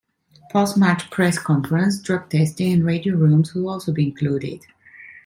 Post-match press conference, drug testing, and radio rooms will also be included.